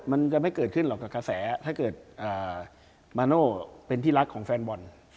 มันจะไม่เกิดขึ้นหรอกกับกระแสถ้าเกิดมาโน่เป็นที่รักของแฟนบอล